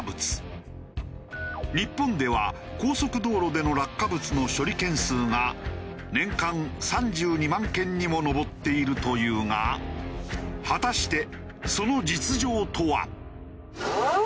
日本では高速道路での落下物の処理件数が年間３２万件にも上っているというが果たしてその実情とは？